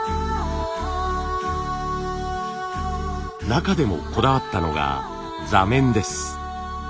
中でもこだわったのが座面です。